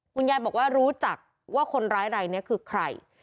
คุณยายบอกว่ารู้จักว่าคนร้ายรายนี้คือใคร